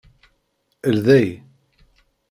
Ldey!